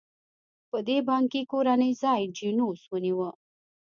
په دې بانکي کورنۍ ځای جینوس ونیوه.